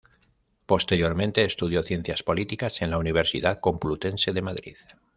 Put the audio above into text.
Posteriormente estudió Ciencias Políticas en la Universidad Complutense de Madrid.